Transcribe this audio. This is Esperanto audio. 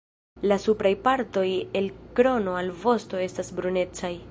La supraj partoj el krono al vosto estas brunecaj.